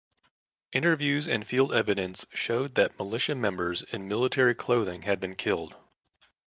Interviews and field evidence showed that militia members in military clothing had been killed.